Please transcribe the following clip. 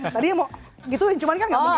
tadinya mau gituin cuman kan gak mungkin juga kan